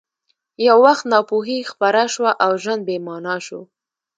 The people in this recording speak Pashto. یو وخت ناپوهي خپره شوه او ژوند بې مانا شو